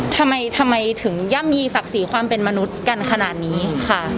ทำไมทำไมถึงย่ำยีศักดิ์ศรีความเป็นมนุษย์กันขนาดนี้ค่ะ